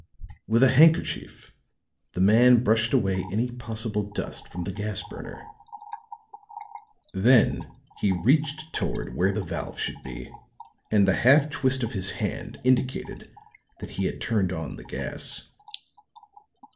With a handkerchief, the man brushed away any possible dust from the gas burner; then he reached toward where the valve should be, and the half twist of his hand indicated that he had turned on the gas.